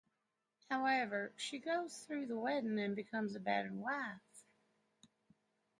However, she goes through with the wedding and becomes a battered wife.